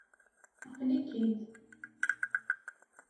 Aql-ik-id.